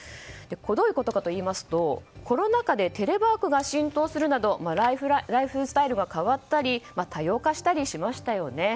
どういうことかといいますとコロナ禍でテレワークが浸透するなどライフスタイルが変わったり多様化したりしましたよね。